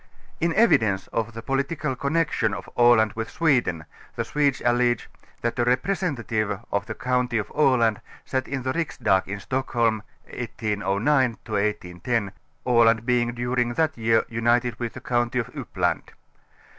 In evidence of the political connection of Aland with Sweden the Swedes allege, that a representative of the county of Aland sat in the Rik.sdag in ┬╗Stockholm 1809 ŌĆö 1810, Aland being during that year united with the county of Uppland.